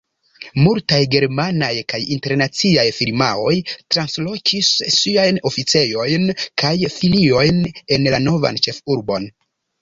Multaj germanaj kaj internaciaj firmaoj translokis siajn oficejojn kaj filiojn en la novan ĉefurbon.